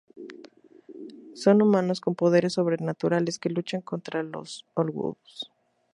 Son humanos con poderes sobrenaturales que luchan contra los Hollows.